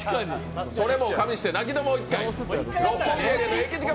それも加味して、泣きのもう一回！